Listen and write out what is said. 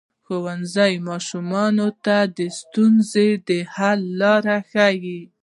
ښوونځی ماشومانو ته د ستونزو د حل لاره ښيي.